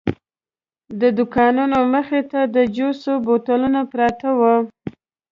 د دوکانونو مخې ته د جوسو بوتلونه پراته وو.